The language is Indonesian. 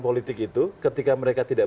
politik itu ketika mereka tidak